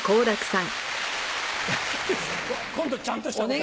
今度ちゃんとした答え。